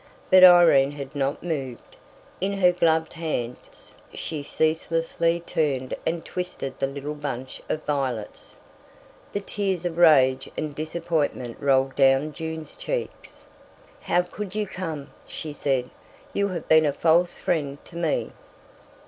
But Irene had not moved; in her gloved hands she ceaselessly turned and twisted the little bunch of violets. The tears of rage and disappointment rolled down Jun's cheeks. "How could you come?" she said. "You have been a false friend to me!"